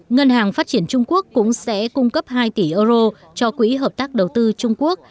ngân hàng phát triển trung quốc cũng sẽ cung cấp hai tỷ euro cho quỹ hợp tác đầu tư trung quốc